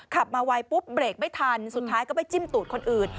ขับมาไวปุ๊บเบรกไม่ทันสุดท้ายก็ไปจิ้มตูดคนอื่น